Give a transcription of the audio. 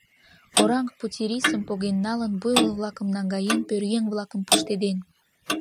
Оранг-пути рисым поген налын, буйвол-влакым наҥгаен, пӧръеҥ-влакым пуштеден.